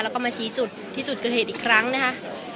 แล้วก็มาชี้จุดที่จุดเกิดเหตุอีกครั้งนะคะ